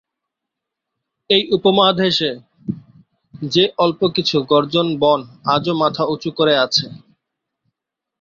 এই উপমহাদেশে যে অল্প কিছু গর্জন বন আজও মাথা উঁচু করে আছে।